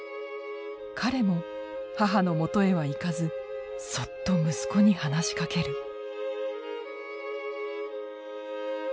彼も母の元へは行かずそっと息子に話しかける。